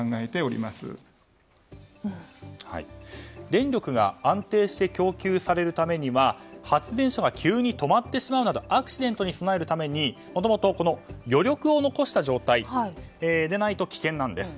電力が安定して供給されるためには発電所が急に止まってしまうなどアクシデントに備えるためにもともと余力を残した状態でないと危険なんです。